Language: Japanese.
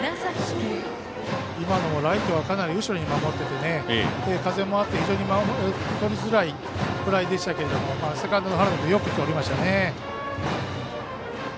今のライトはかなり後ろに守っていて風もあって、非常にとりづらいフライでしたけどセカンドの原野君がよくとりましたね。